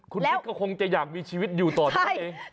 คุณวิทย์ก็คงจะอยากมีชีวิตอยู่ต่อตัวเอง